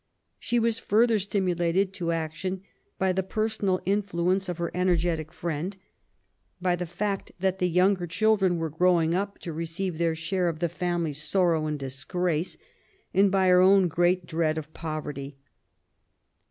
She was further stimulated to action by the personal influence of her energetic friend, by the fact that the younger children were growing up to receive their share of the family sorrow and disgrace, and by her own great dread of poverty.